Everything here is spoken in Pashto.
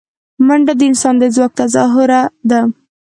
منډه د انسان د ځواک تظاهره ده